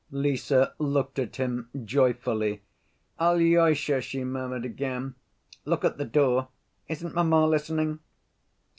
Lise looked at him joyfully. "Alyosha," she murmured again, "look at the door. Isn't mamma listening?"